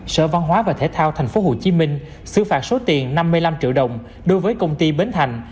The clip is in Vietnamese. sở văn hóa và thể thao thành phố hồ chí minh xử phạt số tiền năm mươi năm triệu đồng đối với công ty bến thành